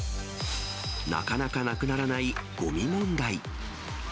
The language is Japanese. なかなかなくならないごみ問題。